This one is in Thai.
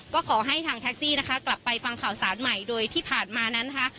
ก็ขอให้ทางแท็กซี่นะคะกลับไปฟังข่าวสารใหม่โดยที่ผ่านมานั้นนะคะ